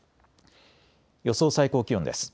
予想最高気温です。